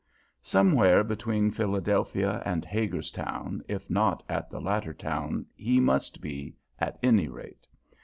Somewhere between Philadelphia and Hagerstown, if not at the latter town, he must be, at any rate.